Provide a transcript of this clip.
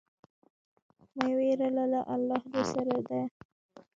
مه ویره لره، الله درسره دی.